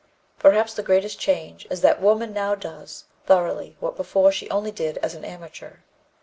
"Perhaps the greatest change is that woman now does thoroughly what before she only did as an amateur."